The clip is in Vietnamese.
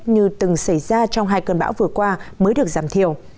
như từng xảy ra trong hai cơn bão vừa qua mới được giảm thiểu